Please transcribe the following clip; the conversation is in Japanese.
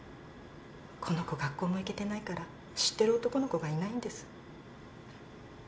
この子学校も行けてないから知ってる男の子がいないんです。